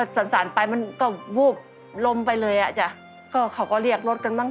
สารสั่นไปมันก็วูบลมไปเลยอ่ะจ้ะก็เขาก็เรียกรถกันมั้